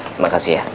terima kasih ya